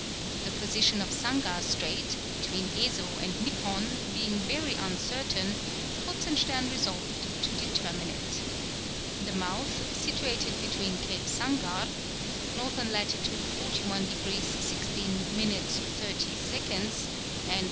The position of Sangar Strait, between Yezo and Niphon, being very uncertain, Kruzenstern resolved to determine it. The mouth, situated between Cape Sangar (N. lat. 41 degrees 16 minutes 30 seconds and W.